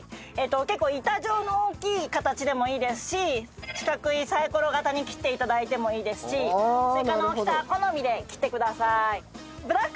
結構板状の大きい形でもいいですし四角いサイコロ形に切って頂いてもいいですしスイカの大きさは好みで切ってください。